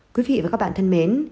quý vị và các bạn thân mến